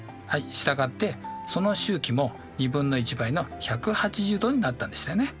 従ってその周期も２分の１倍の１８０°になったんでしたよね。